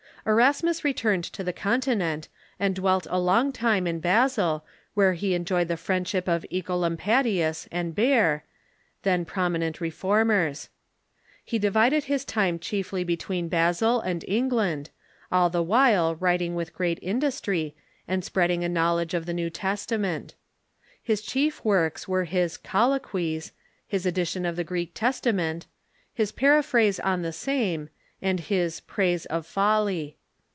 Erasmus returned to the Continent, and dwelt a long time in Basel, where he enjoyed the friendship of G^colampadius and Beer, then prominent Reformers. He divided his time Erasmus chiefly between Basel and England, all the while writ m Basel •{_. ing with great industry, and spreading a knowledge of the New Testament. His chief works were his " Colloquies," his edition of the Greek Testament, his Paraphrase on the same, and his " Praise of Folly."